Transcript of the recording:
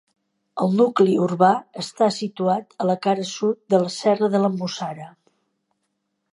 El nucli urbà està situat a la cara sud de la serra de la Mussara.